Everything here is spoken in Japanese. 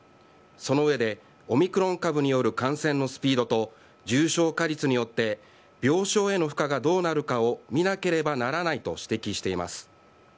その上で、オミクロン株による感染のスピードと重症化率によって病床への負荷がどうなるかを見なければならないと指摘しています。